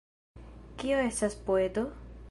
Kio estas poeto?